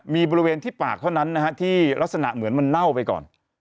มีบริเวณที่ปากเท่านั้นนะฮะที่ลักษณะเหมือนมันเน่าไปก่อน